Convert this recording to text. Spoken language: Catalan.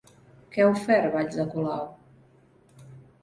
Què ha ofert Valls a Colau?